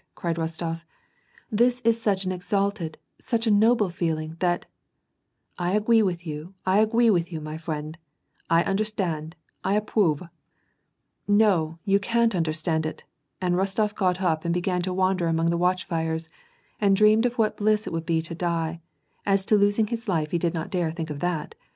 cried Kostof ." This is such an exalted, such a noble feeling, that "—" I agwee with you, I agwee with you, my fwiend, I under stand, I appwove "— "No, you can't understand it !" and Rostof got up and be gan to wander among the watch fires, and dreamed of what bliss it would be to die — as to losing his life, he did not dare to think of that